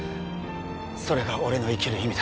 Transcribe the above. それが俺の生きる意味だ